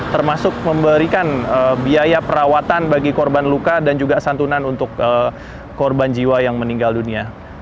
termasuk memberikan biaya perawatan bagi korban luka dan juga santunan untuk korban jiwa yang meninggal dunia